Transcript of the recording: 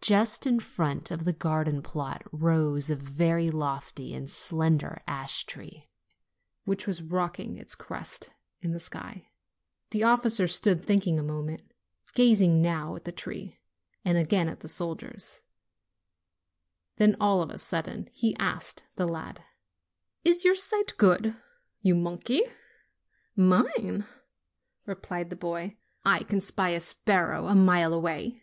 Just in front of the garden plot rose a very lofty and slender ash tree, which was rocking its crest in the sky. The officer stood thinking a mo ment, gazing now at the tree, and again at the soldiers ; then, all of a sudden, he asked the lad : "Is your sight good, you monkey?" LITTLE VIDETTE OF LOMBARDY 49 "Mine?" replied the boy. "I can spy a sparrow a mile away."